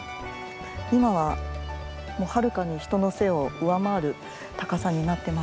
今ははるかに人の背を上回る高さになってますからね。